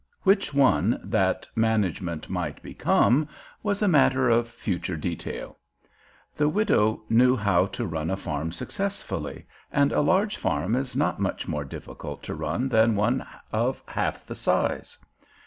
Which one that management might become was a matter of future detail. The widow knew how to run a farm successfully, and a large farm is not much more difficult to run than one of half the size.